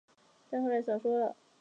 但后来少说了